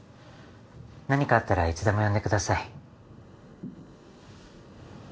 何かあったらいつでも呼んでください。